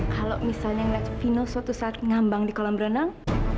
kalau misalnya melihat vino suatu saat ngambang di kolam renang